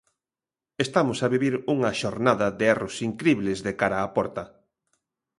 Estamos a vivir unha xornada de erros incribles de cara a porta.